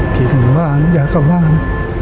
คิดถึงบ้านอยากเข้าบ้าน